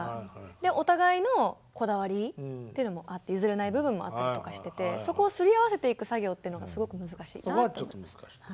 お互いのこだわりっていうのもあって譲れない部分もあったりとかしててそこをすり合わせていく作業っていうのがすごく難しいなって。